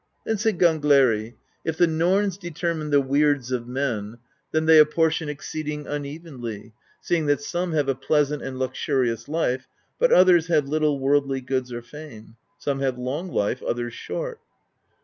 Then said Gangleri: "If the Norns determine the weirds of men, then they apportion exceeding unevenly, seeing that some have a pleasant and luxurious life, but others have little worldly goods or fame; some have long life, others short."